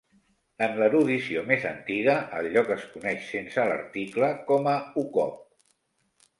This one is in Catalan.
En l'erudició més antiga, el lloc es coneix sense l'article com a Okop.